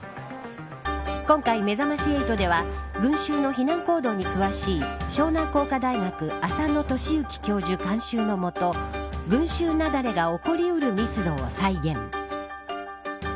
今回、めざまし８では群衆の避難行動に詳しい湘南工科大学浅野俊幸教授監修の下群衆雪崩が起き得る密度を再現。